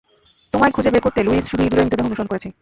তোমায় খোঁজে বের করতে, লুইস, শুধু ইদুঁরের মৃতদেহ অনুসরণ করেছি।